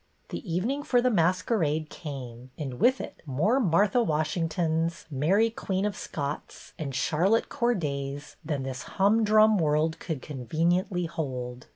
The evening for the masquerade came, and with it more Martha Washingtons, Mary Queen of Scots, and Charlotte Cordays, than this humdrum world could conveni ently hold.